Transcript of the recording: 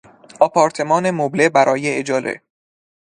آپارتمان مبله برای اجاره